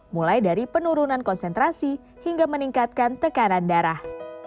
mulai dari penurunan konsentrasi hingga meningkatkan tekanan darah